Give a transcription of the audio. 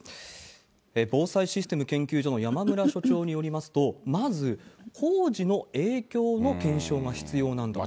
防災システム研究所の山村所長によりますと、まず、工事の影響の検証が必要なんだと。